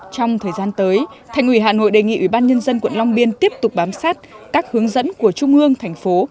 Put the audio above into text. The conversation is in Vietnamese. trong thời gian tới thành ủy hà nội đề nghị ủy ban nhân dân quận long biên tiếp tục bám sát các hướng dẫn của trung ương thành phố